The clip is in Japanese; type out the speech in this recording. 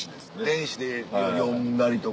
電子で読んだりとか。